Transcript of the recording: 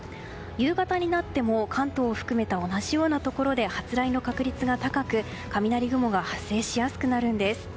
夕方になっても関東を含めた同じようなところで発雷の確率が高く雷雲が発生しやすくなるんです。